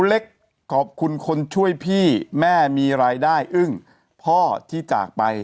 เล็กขอบคุณคนช่วยพี่แม่มีรายได้อึ้งพ่อที่จากไป